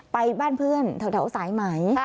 ไปบ้านเพื่อนแถวสายไหม